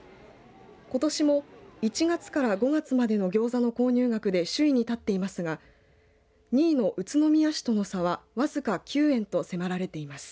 ことしも１月から５月までのギョーザの購入額で首位に立っていますが２位の宇都宮市との差は僅か９円と迫られています。